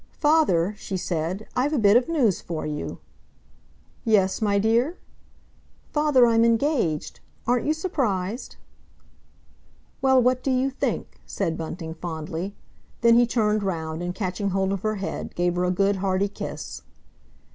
"Father," she said, "I've a bit of news for you!" "Yes, my dear?" "Father, I'm engaged! Aren't you surprised?" "Well, what do you think?" said Bunting fondly. Then he turned round and, catching hold of her head, gave her a good, hearty kiss.